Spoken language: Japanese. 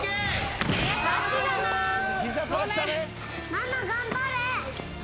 ママ頑張れ。